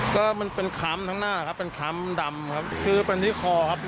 ก็มันเป็นคล้ำทั้งหน้านะครับเป็นคล้ำดำครับชื่อเป็นที่คอครับ